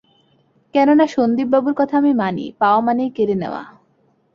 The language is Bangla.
কেননা, সন্দীপবাবুর কথা আমি মানি, পাওয়া মানেই কেড়ে নেওয়া।